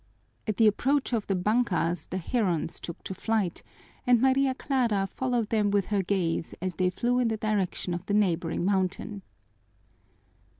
At the approach of the bankas the herons took to flight, and Maria Clara followed them with her gaze as they flew in the direction of the neighboring mountain.